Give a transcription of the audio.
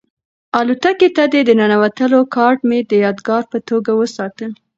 الوتکې ته د ننوتلو کارډ مې د یادګار په توګه وساته.